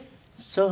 そう。